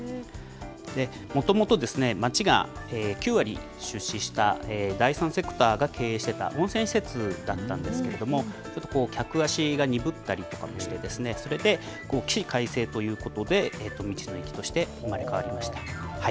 もともとですね、町が９割出資した第三セクターが経営していた温泉施設だったんですけれども、客足が鈍ったりとかして、それで起死回生ということで、道の駅として生まれ変わりました。